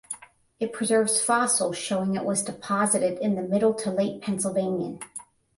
It preserves fossils showing it was deposited in the middle to late Pennsylvanian.